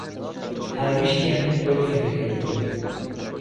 هاویشتیان وەک فیدایی